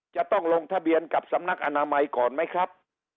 จะต้องลงทะเบียนกับสำนักอนามัยก่อนไหมครับ